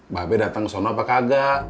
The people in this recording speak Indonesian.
babe dateng ke sana apa kaya